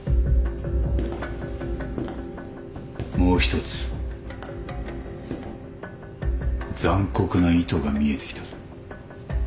もう一つ残酷な意図が見えてきたぞ。